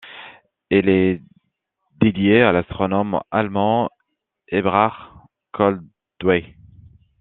Il est dédié à l'astronome allemand Eberhard Koldewey.